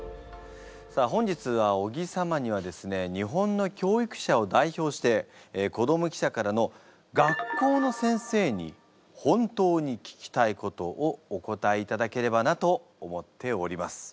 さあ本日は尾木様にはですね日本の教育者を代表して子ども記者からのをお答えいただければなと思っております。